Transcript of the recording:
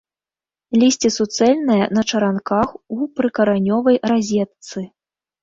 Лісце суцэльнае, на чаранках, у прыкаранёвай разетцы.